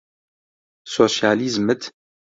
سۆشیالیزمت